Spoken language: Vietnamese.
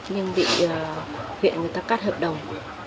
nhưng bị huyện người ta cắt hợp đồng